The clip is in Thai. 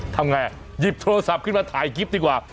ทำไงหยิบโทรศัพท์ขึ้นมาถ่ายคลิปดีกว่า